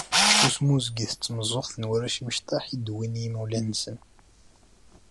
S usmuzget s tmeẓẓuɣt n warrac imecṭaḥ i d-uwin yimawlan-nsen.